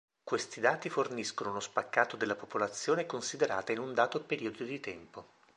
Questi dati forniscono uno spaccato della popolazione considerata in un dato periodo di tempo.